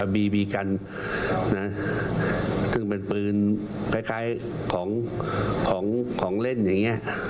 บีบีกันซึ่งเป็นปืนคล้ายของเล่นอย่างนี้